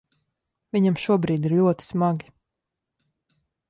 Viņam šobrīd ir ļoti smagi.